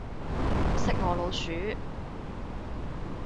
識我老鼠